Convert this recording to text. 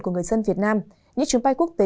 của người dân việt nam những chuyến bay quốc tế